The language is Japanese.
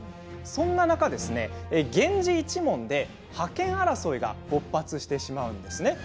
そんな中ですね源氏一門で、覇権争いが勃発してしまうんです。